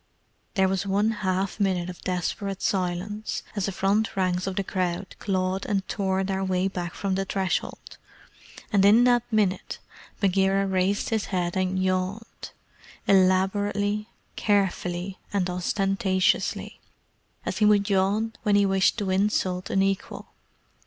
There was one half minute of desperate silence, as the front ranks of the crowd clawed and tore their way back from the threshold, and in that minute Bagheera raised his head and yawned elaborately, carefully, and ostentatiously as he would yawn when he wished to insult an equal.